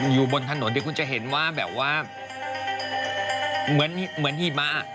อยู่บนถนนคุณจะเห็นว่าแบบว่าเหมือนหี้มะ